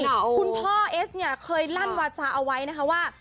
คุณพ่อเอสเนี่ยเคยลั่นวาจาเอาไว้นะคะว่า